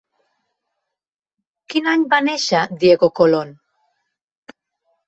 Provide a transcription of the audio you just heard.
Quin any va néixer Diego Colón?